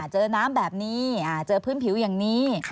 เจอน้ำแบบนี้เจอพื้นผิวอย่างนี้